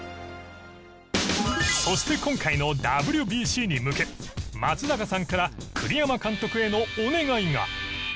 そして今回のＷＢＣに向け松坂さんから栗山監督へのお願いが。